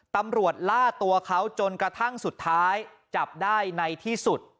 ตำรวจล่าตัวเขาจนกระทั่งสุดท้ายจับได้ในที่สุด